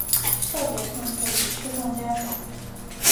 设备探测及驱动加载